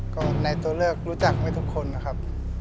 ก็ในตัวเลือกรู้จักไว้ทุกคนนะครับ